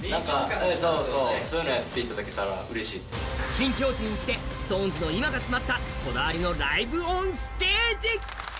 新境地にして、ＳｉｘＴＯＮＥＳの今が詰まったこだわりのライブ・オン・ステージ。